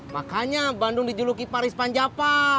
makanya bandung dijuluki paris panjapa